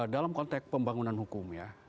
dalam konteks pembangunan hukum ya